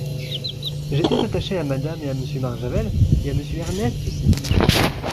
J’étais attachée à madame et à Monsieur Marjavel ! et à Monsieur Ernest aussi.